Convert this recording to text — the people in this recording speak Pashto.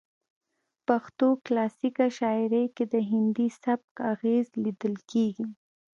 پښتو کلاسیکه شاعرۍ کې د هندي سبک اغیز لیدل کیږي